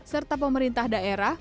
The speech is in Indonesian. serta pemerintah daerah